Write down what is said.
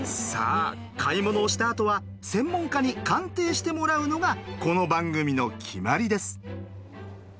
さあ買い物をしたあとは専門家に鑑定してもらうのがこの番組の決まりです。